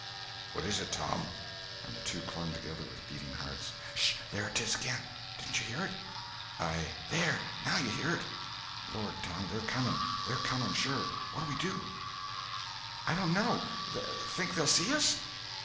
"What is it, Tom?" And the two clung together with beating hearts. "Sh! There 'tis again! Didn't you hear it?" "I—" "There! Now you hear it." "Lord, Tom, they're coming! They're coming, sure. What'll we do?" "I dono. Think they'll see us?"